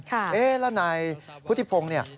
เอ๊ะแล้วนายพุทธิพงศ์เนี่ย